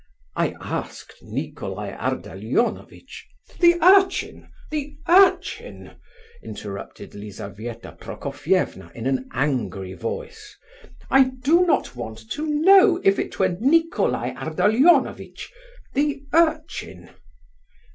"I asked Nicolai Ardalionovitch..." "The urchin! the urchin!" interrupted Lizabetha Prokofievna in an angry voice. "I do not want to know if it were Nicolai Ardalionovitch! The urchin!"